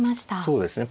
そうですね。